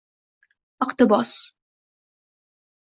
Iktibos: